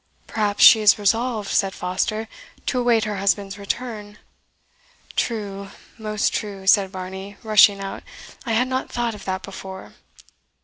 "Perhaps she is resolved," said Foster, "to await her husband's return." "True! most true!" said Varney, rushing out; "I had not thought of that before."